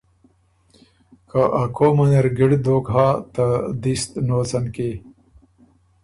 که ا قوم ان اِر ګِړد دوک هۀ ته دست نوڅن کی